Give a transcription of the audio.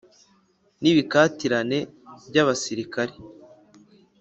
n’ibikatirane by’abasirikare,